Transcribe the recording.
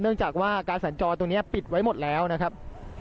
จากว่าการสัญจรตรงนี้ปิดไว้หมดแล้วนะครับ